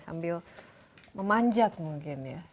sambil memanjat mungkin ya